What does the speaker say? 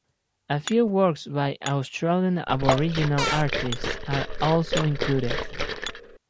A few works by Australian Aboriginal artists are also included.